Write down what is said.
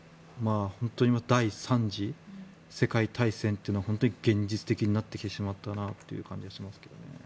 本当に第３次世界大戦というのは現実的になってしまったなという感じがしますけどね。